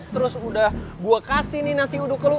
terus udah gue kasih nih nasi uduk ke lo